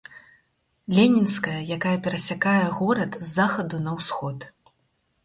Ленінская, якая перасякае горад з захаду на ўсход.